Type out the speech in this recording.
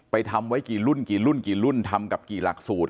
ทำไว้กี่รุ่นกี่รุ่นกี่รุ่นทำกับกี่หลักสูตร